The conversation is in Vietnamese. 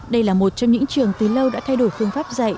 đây là một trong những trường từ lâu đã thay đổi phương pháp dạy